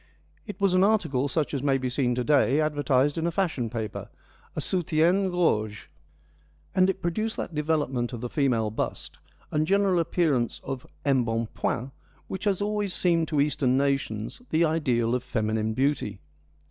It was an article such as may be seen to day advertised in a fashion paper — a ' soutien gorge '— and it produced that development of the female bust and general appearance of embonpoint, which has always seemed to Eastern nations the ideal of feminine beauty.